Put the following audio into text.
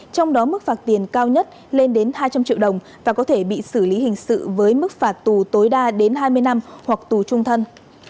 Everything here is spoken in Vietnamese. trong đó mức phạt tiền cao nhất lên đến hai trăm linh triệu đồng và có thể bị xử lý hình sự với mức phạt tù tối đa đến hai mươi năm hoặc tù trung thân